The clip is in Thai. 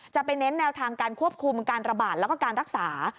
ไปเน้นแนวทางการควบคุมการระบาดแล้วก็การรักษา